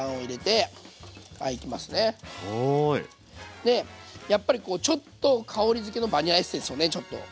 でやっぱりちょっと香りづけのバニラエッセンスをねちょっと。